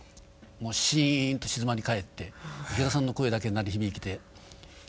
もうしんと静まり返って池田さんの声だけ鳴り響いて。